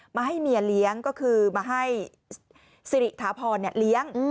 มาให้เมียเลี้ยงก็คือมาให้สิริถาพรเลี้ยง